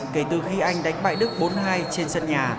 kể từ khi anh đánh bại đức bốn mươi hai trên sân nhà